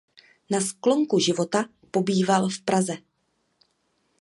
Na sklonku života pobýval v Praze.